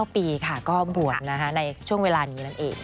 ๙ปีค่ะก็บวชในช่วงเวลานี้นั่นเอง